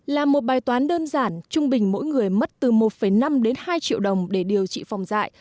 là một bài toán đơn giản trung bình mỗi người mất từ một năm đến hai triệu đồng để điều trị phòng dại